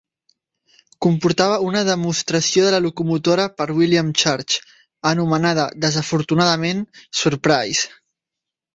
Comportava una demostració de la locomotora per William Church, anomenada, desafortunadament, "Surprise".